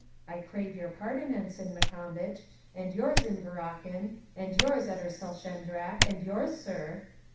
I crave your pardon, Ensign Maccombich, and yours, Inveraughlin, and yours, Edderalshendrach, and yours, sir.'